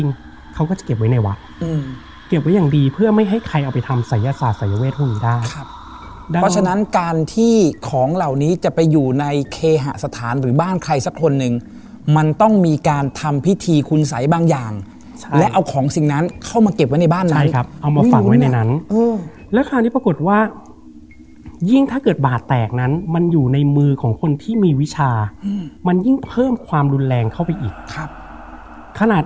ในการทำอาถรรพ์ในการทำอาถรรพ์ในการทำอาถรรพ์ในการทำอาถรรพ์ในการทำอาถรรพ์ในการทำอาถรรพ์ในการทำอาถรรพ์ในการทำอาถรรพ์ในการทำอาถรรพ์ในการทำอาถรรพ์ในการทำอาถรรพ์ในการทำอาถรรพ์ในการทำอาถรรพ์ในการทำอาถรรพ์ในการทำอาถรรพ์ในการทำอาถรรพ์ในการทำอาถรรพ์ในการทำอาถรรพ์ในการทำ